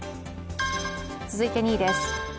続いて２位です。